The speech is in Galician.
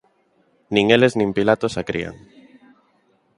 Nin eles nin Pilatos a crían.